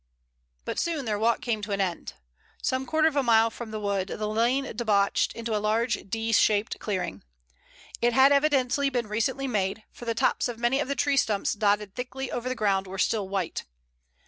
But soon their walk came to an end. Some quarter of a mile from the wood the lane debouched into a large, D shaped clearing. It had evidently been recently made, for the tops of many of the tree stumps dotted thickly over the ground were still white.